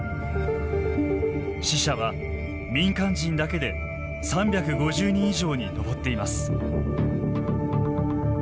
死者は民間人だけで３５０人以上に上っています。